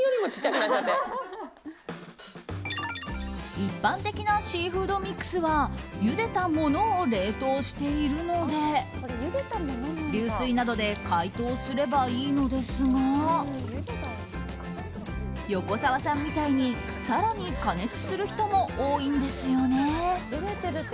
一般的なシーフードミックスはゆでたものを冷凍しているので流水などで解凍すればいいのですが横澤さんみたいに更に加熱する人も多いんですよね。